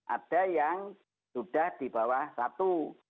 ada yang sudah di bawah satu